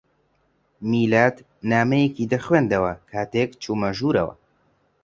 میلاد نامەیەکی دەخوێندەوە کاتێک چوومە ژوورەوە.